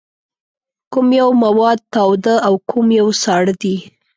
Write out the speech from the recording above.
کوم یو مواد تاوده او کوم یو ساړه دي؟